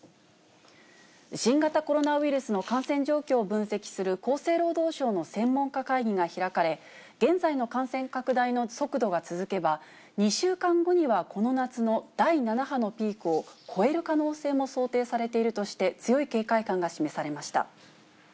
新型コロナウイルスの感染状況を分析する厚生労働省の専門家会議が開かれ、現在の感染拡大の速度が続けば、２週間後にはこの夏の第７波のピークを超える可能性も想定されているとして、強い警戒感が示されました。